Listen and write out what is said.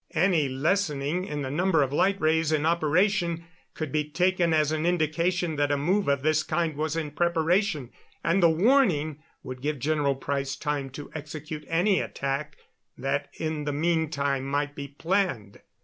Any lessening in the number of light rays in operation could be taken as an indication that a move of this kind was in preparation, and the warning would give General Price time to execute any attack that in the meantime might be planned.